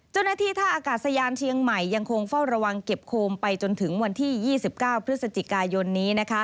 เจ้าหน้าที่ท่าอากาศยานเชียงใหม่ยังคงเฝ้าระวังเก็บโคมไปจนถึงวันที่๒๙พฤศจิกายนนี้